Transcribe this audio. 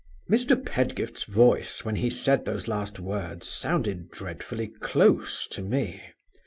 "Mr. Pedgift's voice, when he said those last words, sounded dreadfully close to me.